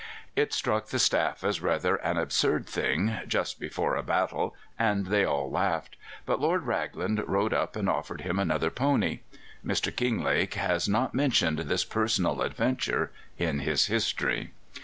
It struck the staff as rather an absurd thing just before a battle, and they all laughed; but Lord Raglan rode up and offered him another pony. Mr. Kinglake has not mentioned this personal adventure in his history.